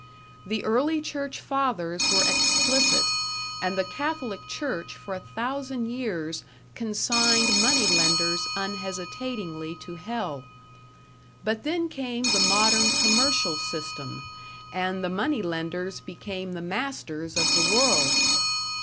The early church fathers were explicit, and the Catholic Church for a thousand years consigned money lenders unhesitatingly to hell. But then came the modern commercial system, and the money lenders became the masters of the world!